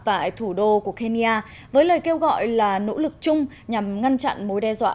tại thủ đô của kenya với lời kêu gọi là nỗ lực chung nhằm ngăn chặn mối đe dọa